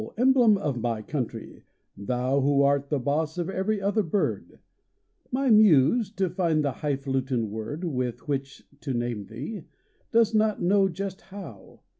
emblem of my country, thou, Who art the boss of every other bird, My muse, to find the highfalutin word With which to name thee, dost not know just how.